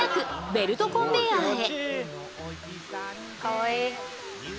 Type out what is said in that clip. ベルトコンベヤーへ。